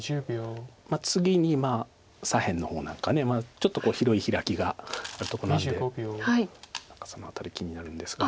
次に左辺の方なんかちょっと広いヒラキがあるとこなんでその辺り気になるんですが。